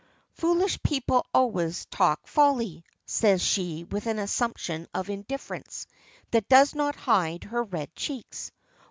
"Foolish people always talk folly," says she with an assumption of indifference that does not hide her red cheeks.